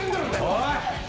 おい！